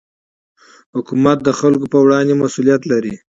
حکومت د خلکو پر وړاندې مسوولیت لري